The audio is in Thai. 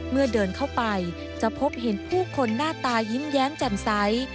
เดินเข้าไปจะพบเห็นผู้คนหน้าตายิ้มแย้มแจ่มใส